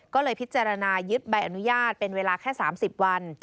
ก็เลยพิจารณายึดใบอนุญาตเป็นเวลาแค่๓๐วัน